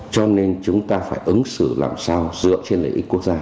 cho nên chúng ta phải ứng xử làm sao dựa trên lợi ích quốc gia